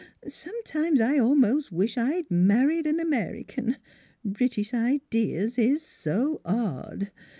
. Sometimes I almost wish I'd married an American: British ideas is so odd.